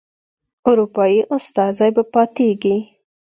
اروپایي استازی به پاتیږي.